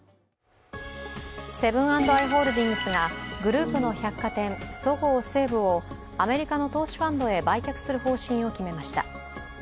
セブン＆アイ・ホールディングスがグループの百貨店そごう・西武をアメリカの投資ファンドへ売却する方針を決めました。